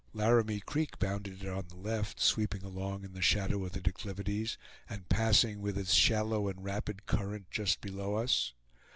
Laramie Creek bounded it on the left, sweeping along in the shadow of the declivities, and passing with its shallow and rapid current just below us.